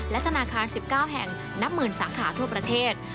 ธนาคาร๑๙แห่งนับหมื่นสาขาทั่วประเทศ